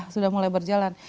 sudah mulai berjalan